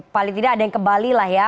paling tidak ada yang kembali lah ya